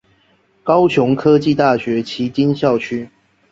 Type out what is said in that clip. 高雄科技大學旗津校區